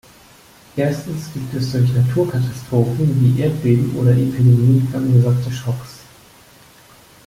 Erstens gibt es durch Naturkatastrophen wie Erdbeben oder Epidemien verursachte Schocks.